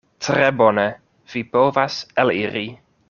Tre bone: vi povas eliri.